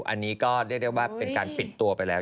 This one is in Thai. อันนี้ก็เรียกได้ว่าเป็นการปิดตัวไปแล้ว